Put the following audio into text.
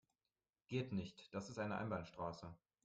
Geht nicht, das ist eine Einbahnstraße.